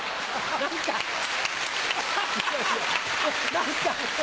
何か！